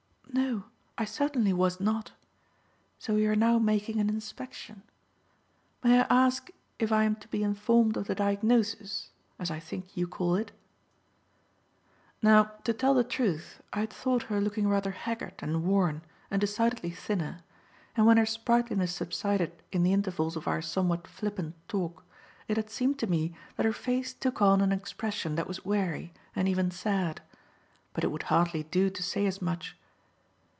"No, I certainly was not. So you are now making an inspection. May I ask if I am to be informed of the diagnosis, as I think you call it?" Now, to tell the truth, I had thought her looking rather haggard and worn and decidedly thinner; and when her sprightliness subsided in the intervals of our somewhat flippant talk, it had seemed to me that her face took on an expression that was weary and even sad. But it would hardly do to say as much.